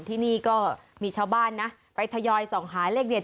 ที่นี่ก็มีชาวบ้านนะไปทยอยส่องหาเลขเด็ด